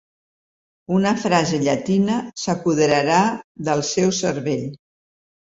Una frase llatina s'apoderarà del seu cervell.